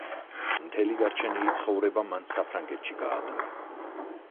მთელი დარჩენილი ცხოვრება მან საფრანგეთში გაატარა.